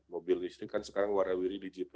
mobil listrik kan sekarang warah wiri di jepang